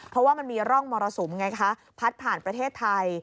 เพราะว่ามันมีร่องมรสุมไงคะพัดผ่านประเทศไทย